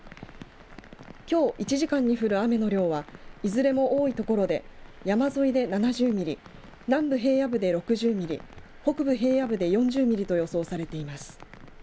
きょう１時間に降る雨の量はいずれも多い所で山沿いで７０ミリ南部、平野部で６０ミリ北部、平野部で４０ミリと予想されています。